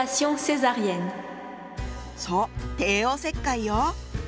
そう帝王切開よ。